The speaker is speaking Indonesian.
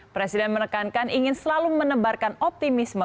presiden menekankan ingin selalu menebarkan optimisme